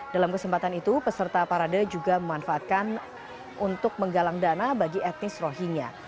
dalam kesempatan itu peserta parade juga memanfaatkan untuk menggalang dana bagi etnis rohingya